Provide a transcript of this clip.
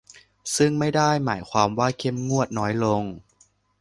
ซึ่งไม่ได้หมายความว่าเข้มงวดน้อยลง